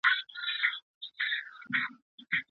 ساري ناروغۍ څنګه مخنیوی کیږي؟